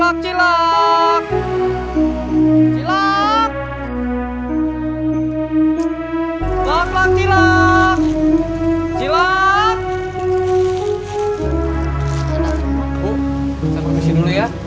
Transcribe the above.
oh kita berusin dulu ya